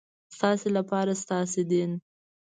ستاسې لپاره ستاسې دین.